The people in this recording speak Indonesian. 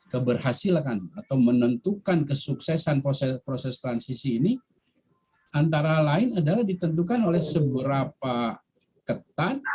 keberhasilan atau menentukan kesuksesan proses transisi ini antara lain adalah ditentukan oleh seberapa ketat